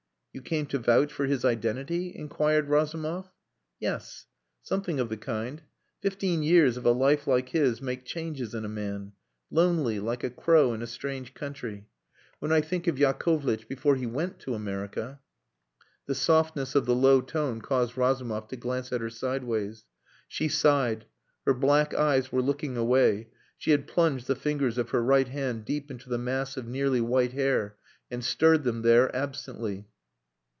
"You came to vouch for his identity?" inquired Razumov. "Yes. Something of the kind. Fifteen years of a life like his make changes in a man. Lonely, like a crow in a strange country. When I think of Yakovlitch before he went to America " The softness of the low tone caused Razumov to glance at her sideways. She sighed; her black eyes were looking away; she had plunged the fingers of her right hand deep into the mass of nearly white hair, and stirred them there absently.